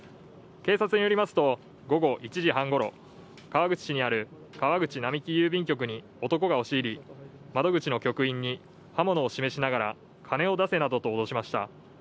警察によりますと午後１時半ごろ川口市にある川口並木郵便局に男が押し入り窓口の局員に刃物を示しながら、金を出せなどと脅しました。